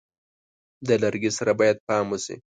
د لرګي سره باید پام وشي.